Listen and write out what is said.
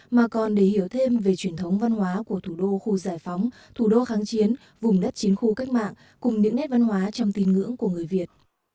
mà còn để hiểu thêm về truyền thống văn hóa của thủ đô khu giải phóng thủ đô kháng chiến vùng đất chiến khu cách mạng cùng những nét văn hóa trong tin ngưỡng của người việt